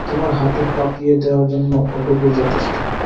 তোমার হাঁটু কাঁপিয়ে দেয়ার জন্য ওটুকুই যথেষ্ট।